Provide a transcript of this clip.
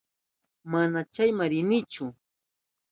Mana chayma rinichu.